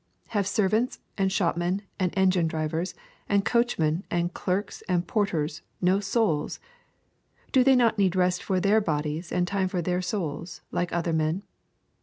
— Have servants, and shopmen, and engine drivers, and coach men, and clerks, and porters, no souls ? Do they not need rest for their bodies and time for their souls, like other men